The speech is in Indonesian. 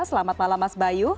selamat malam mas bayu